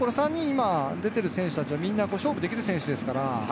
今３人、出てる選手達はみんな勝負できる選手ですから。